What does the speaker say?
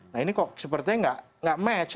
nah ini kok sepertinya nggak match